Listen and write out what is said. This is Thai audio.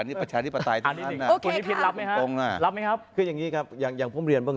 นี่ประชาดิบาตรายทุกขั้นน่ะ